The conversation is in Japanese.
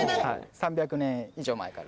３００年以上前から。